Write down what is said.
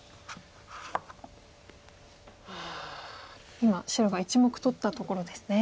今白が１目取ったところですね。